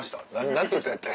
何て言ったんやっけ？